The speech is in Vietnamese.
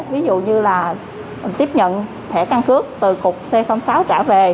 ví dụ như là tiếp nhận thẻ căn cước từ cục c sáu trả về